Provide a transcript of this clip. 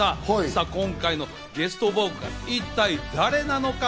さぁ、今回のゲストボーカル、一体誰なのか？